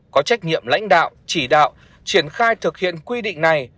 có trách nhiệm lãnh đạo chỉ đạo triển khai thực hiện quy định này